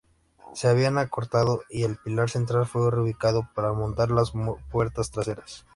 Se habían acortado, y el pilar central fue reubicado para montar las puertas traseras.